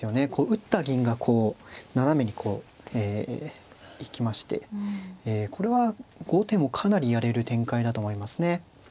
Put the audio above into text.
打った銀がこう斜めにこう行きましてこれは後手もかなりやれる展開だと思いますね。